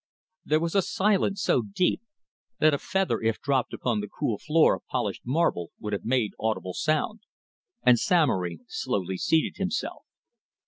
There was a silence so deep that a feather if dropped upon the cool floor of polished marble would have made audible sound, and Samory slowly seated himself.